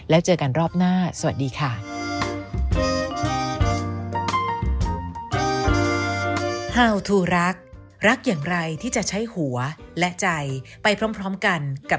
แล้วเจอกันรอบหน้าสวัสดีค่ะ